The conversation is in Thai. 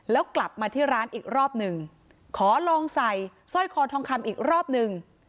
แล้วกลับมาที่ร้านอีกรอบหนึ่งขอลองใส่สร้อยคอทองคำอีกรอบหนึ่ง